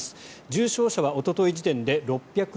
重症者はおととい時点で６２７人。